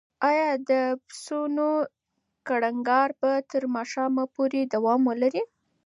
ایا د پسونو کړنګار به تر ماښامه پورې دوام ولري؟